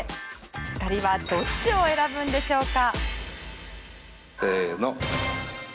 ２人はどっちを選ぶんでしょうか？